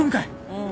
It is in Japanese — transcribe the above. うん。